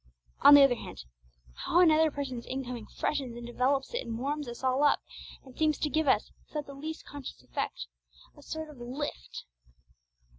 On the other hand, how another person's incoming freshens and develops it and warms us all up, and seems to give us, without the least conscious effort, a sort of _lift!